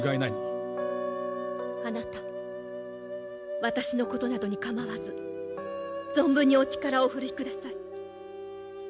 あなた私のことなどに構わず存分にお力をお振るいください。